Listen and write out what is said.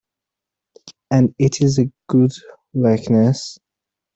And it is a good likeness?